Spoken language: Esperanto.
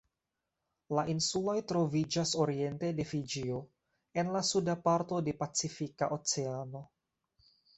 La insuloj troviĝas oriente de Fiĝio en la suda parto de Pacifika Oceano.